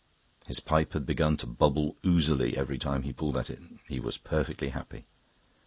His pipe had begun to bubble oozily every time he pulled at it. He was perfectly happy.